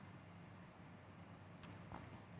rumah menteri di ikn terdiri dari dua lantai dengan ruang lantai